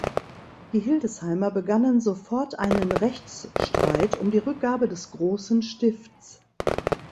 Die Hildesheimer begannen sofort einen Rechtsstreit um die Rückgabe des "Großen Stifts".